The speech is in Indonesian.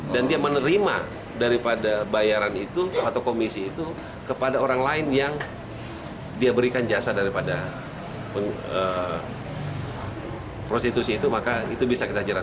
dan dia menerima daripada bayaran itu atau komisi itu kepada orang lain yang dia berikan jasa daripada prostitusi itu maka itu bisa kita jerat